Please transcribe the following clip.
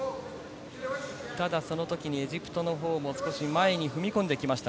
ただその時にエジプトのほうも少し前に踏み込んできました。